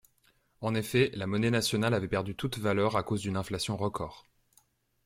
En effet, la monnaie nationale avait perdu toute valeur à cause d'une inflation record.